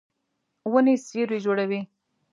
ونې سیوری جوړوي.